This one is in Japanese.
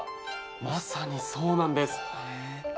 まさにそうなんです！